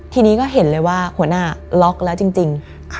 ทีนี้ก็เห็นเลยว่าหัวหน้าล็อกแล้วจริง